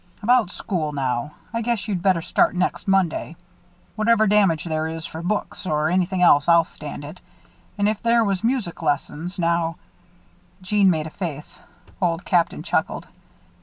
About school, now. I guess you'd better start next Monday. Whatever damage there is, for books or anything else, I'll stand it. An' if there was music lessons, now " Jeanne made a face. Old Captain chuckled.